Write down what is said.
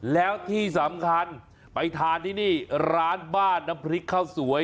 แล้วที่สำคัญไปทานที่นี่ร้านบ้านน้ำพริกข้าวสวย